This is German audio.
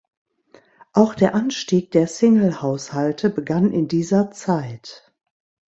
Auch der Anstieg der Single-Haushalte begann in dieser Zeit.